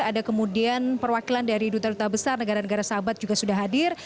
ada kemudian perwakilan dari duta duta besar negara negara sahabat juga sudah hadir